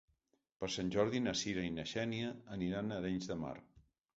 Per Sant Jordi na Cira i na Xènia aniran a Arenys de Mar.